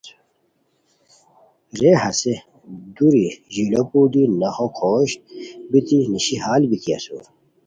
رے ہسے دوری ژیلو پوردی ناخو کھوشت بیتی نیشی ہال بیتی اسور